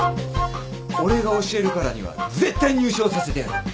俺が教えるからには絶対入賞させてやる！